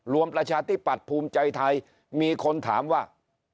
ประชาธิปัตย์ภูมิใจไทยมีคนถามว่า